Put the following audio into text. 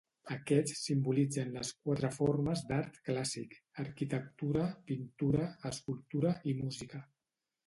Aquests simbolitzen les quatre formes d'art clàssic: arquitectura, pintura, escultura i música.